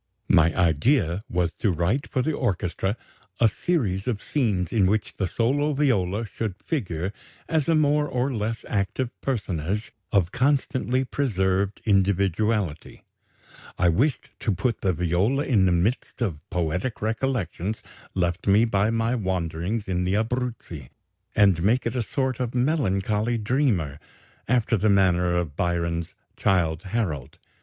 My idea was to write for the orchestra a series of scenes in which the solo viola should figure as a more or less active personage of constantly preserved individuality; I wished to put the viola in the midst of poetic recollections left me by my wanderings in the Abruzzi, and make it a sort of melancholy dreamer, after the manner of Byron's 'Childe Harold.'